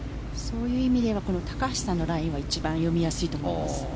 そういう意味では高橋さんのラインは一番読みやすいと思います。